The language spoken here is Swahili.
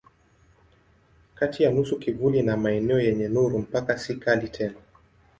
Kati ya nusu kivuli na maeneo yenye nuru mpaka si kali tena.